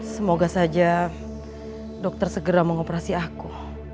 semoga saja dokter segera mau operasi aku